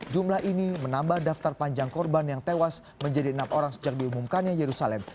jumlah ini menambah daftar panjang korban yang tewas menjadi enam orang sejak diumumkannya yerusalem